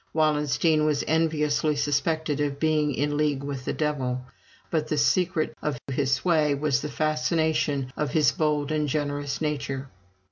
Wallenstein was enviously suspected of being in league with the devil, but the secret of his sway was the fascination of his bold and generous nature.